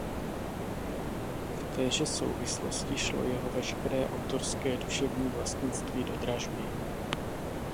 V téže souvislosti šlo jeho veškeré autorské duševní vlastnictví do dražby.